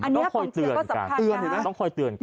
อันนี้ความเชียร์ก็สัมพันธ์นะต้องคอยเตือนกัน